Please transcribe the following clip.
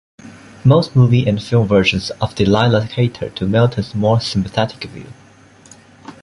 Most movie and film versions of Delilah cater to Milton's more sympathetic view.